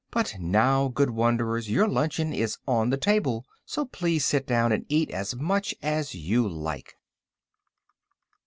But now, good wanderers, your luncheon is on the table, so please sit down and eat as much as you like."